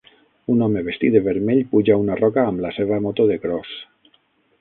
Un home vestit de vermell puja una roca amb la seva moto de cross.